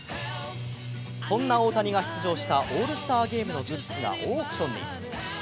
そんな大谷が出場したオールスターゲームのグッズがオークションに。